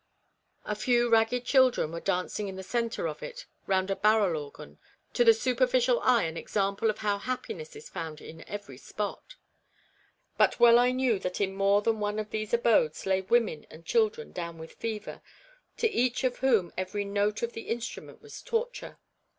A few ragged children were dancing in the centre of it round a barrel organ, to the super ficial eye an example of how happiness is found REBECCA'S REMORSE. 207 in every spot. But well I knew that in more than one of these abodes lay women and children down with fever, to each of whom every note of the instrument was torture.